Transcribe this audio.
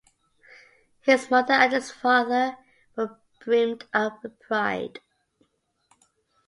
His mother and his father were brimmed up with pride.